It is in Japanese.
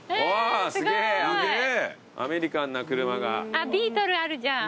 あっビートルあるじゃん。